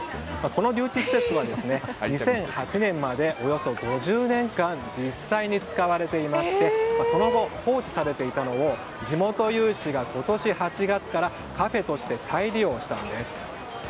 この留置施設は２００８年までおよそ５０年間実際に使われていましてその後、放置されていたのを地元有志が今年８月からカフェとして再利用したんです。